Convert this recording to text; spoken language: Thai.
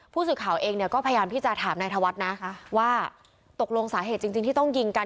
ผู้สื่อข่าวเองเนี่ยก็พยายามที่จะถามนายธวัฒน์นะว่าตกลงสาเหตุจริงที่ต้องยิงกัน